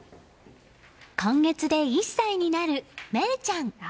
今月１歳になる芽郁ちゃん。